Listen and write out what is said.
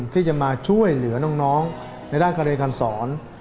ที่จะมาช่วยเหลือน้องในด้านการเรียนการสอน